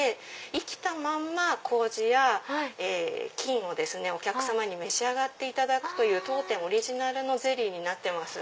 生きたまんまこうじや菌をお客様に召し上がっていただく当店オリジナルのゼリーになってます。